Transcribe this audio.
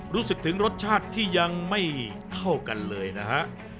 รู้สึกถึงรสชาติที่ยังไม่เท่ากันเลยนะฮะ